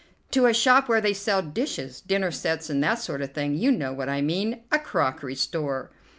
"To a shop where they sell dishes, dinner sets and that sort of thing. You know what I mean, a crockery store."